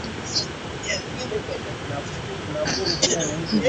kheri ya siku ya kuzaliwa malkia wetu